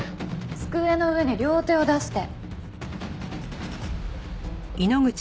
机の上に両手を出して。